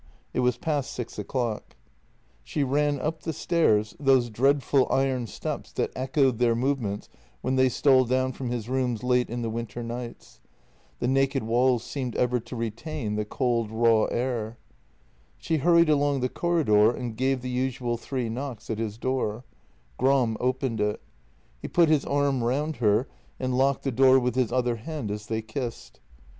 It was past six o'clock. 199 2C0 JENNY She ran up the stairs — those dreadful iron steps that echoed their movements when they stole down from his rooms late in the winter nights. The naked walls seemed ever to retain the cold, raw air. She hurried along the corridor and gave the usual three knocks at his door. Gram opened it. He put his arm round her, and locked the door with his other hand as they kissed.